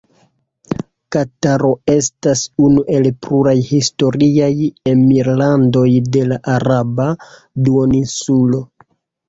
Kataro estas unu el pluraj historiaj emirlandoj de la Araba Duoninsulo.